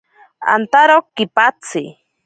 Antaro kipatsi.